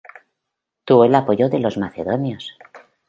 Tuvo el apoyo de los macedonios.